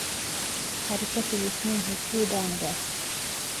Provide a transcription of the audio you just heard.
ހަރުކަށި ވިސްނުން ހުއްޓުވިދާނެބާ؟